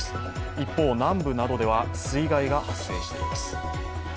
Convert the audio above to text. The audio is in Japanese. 一方、南部などでは水害が発生しています。